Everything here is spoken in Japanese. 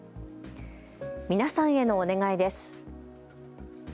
皆さんへのお願いです。